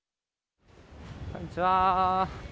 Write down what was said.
こんにちは。